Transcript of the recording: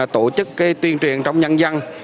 tổ chức tuyên truyền trong nhân dân